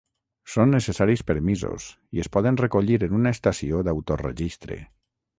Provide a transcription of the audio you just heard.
Són necessaris permisos i es poden recollir en una estació d'autorregistre.